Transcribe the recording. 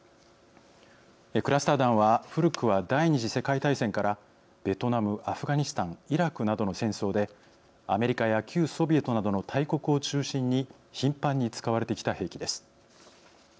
クラスター弾は古くは第２次世界大戦からベトナム、アフガニスタンイラクなどの戦争でアメリカや旧ソビエトなどの大国を中心に頻繁に使われてきた兵器です。